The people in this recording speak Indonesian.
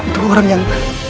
dua orang yang